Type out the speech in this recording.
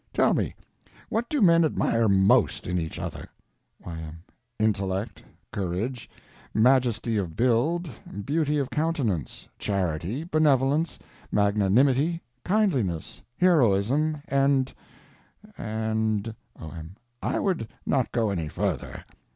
Tell me—what do men admire most in each other? Y.M. Intellect, courage, majesty of build, beauty of countenance, charity, benevolence, magnanimity, kindliness, heroism, and—and— O.M. I would not go any further.